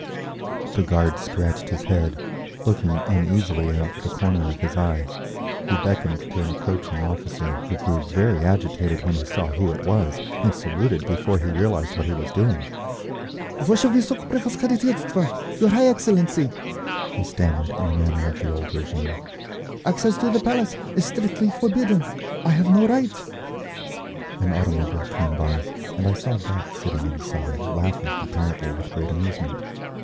The guard scratched his head, looking uneasily out of the corner of his eye; he beckoned to an approaching officer, who grew very agitated when he saw who it was and saluted before he realised what he was doing. "Vashe Vuisokoprevoskhoditelstvo—your High Excellency—" he stammered, in the manner of the old régime, "Access to the Palace is strictly forbidden—I have no right—" An automobile came by, and I saw Gotz sitting inside, laughing apparently with great amusement.